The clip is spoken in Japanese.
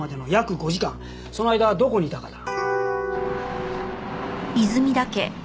その間どこにいたかだ。